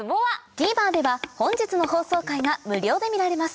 ＴＶｅｒでは本日の放送回が無料で見られます